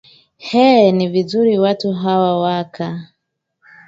eeh ni vizuri watu hawa waka